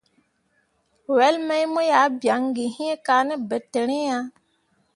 Wel mai mu ah bian iŋ kah ne ɓentǝǝri ah.